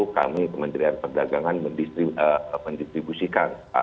kami kementerian perdagangan mendistribusikan